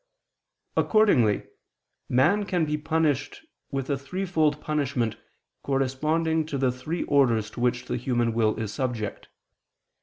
Accordingly, man can be punished with a threefold punishment corresponding to the three orders to which the human will is subject.